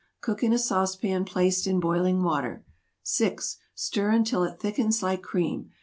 Cook in a sauce pan placed in boiling water. 6. Stir until it thickens like cream.